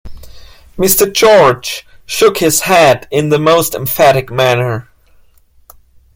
Mr. George shook his head in the most emphatic manner.